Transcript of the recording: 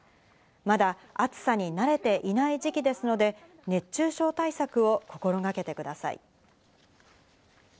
まだ暑さに慣れていない時期ですので、熱中症対策を心がけてください。